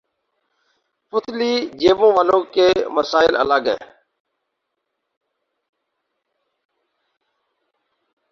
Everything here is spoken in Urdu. پتلی جیبوں والوں کے مسائل الگ ہیں۔